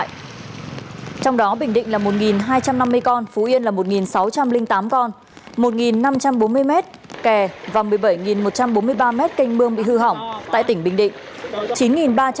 trong đó bình định là một hai trăm năm mươi con phú yên là một sáu trăm linh tám con một năm trăm bốn mươi mét kè và một mươi bảy một trăm bốn mươi ba mét canh mương bị hư hỏng tại tỉnh bình định